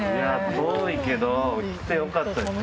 遠いけど来てよかったですよ